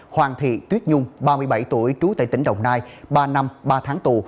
hoàng thị tuyết dung ba mươi bảy tuổi trú tại tỉnh đồng nai ba năm ba tháng tù